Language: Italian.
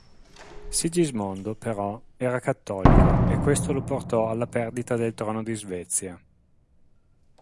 Sigismondo, però, era cattolico e questo lo portò alla perdita del trono di Svezia.